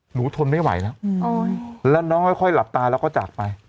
ทนไม่ไหวแล้วแล้วน้องค่อยหลับตาแล้วก็จากไป